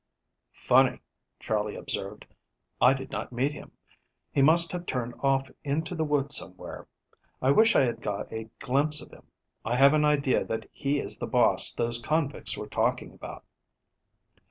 "Funny," Charley observed. "I did not meet him. He must have turned off into the woods somewhere. I wish I had got a glimpse of him. I have an idea that he is the boss those convicts were talking about."